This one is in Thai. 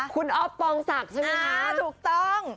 คุณออฟปองศักดิ์ใช่มั้ยนะอ่าถูกต้อง